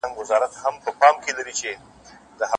زما وطن هم لکه غښتلی چنار